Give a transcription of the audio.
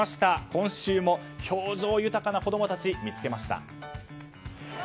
今週も表情豊かな子供たち見つけました。